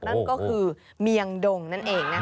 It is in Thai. นั่นก็คือเมียงดงนั่นเองนะคะ